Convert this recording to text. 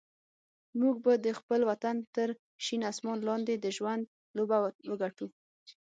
موږ به د خپل وطن تر شین اسمان لاندې د ژوند لوبه وګټو.